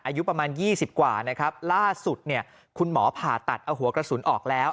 อายุประมาณ๒๐กว่าล่าสุดคุณหมอผ่าตัดเอาหัวกระสุนออกแล้ว